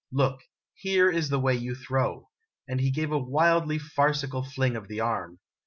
" Look, here is the way you throw !" and he gave a wildly farcical fling of the arm.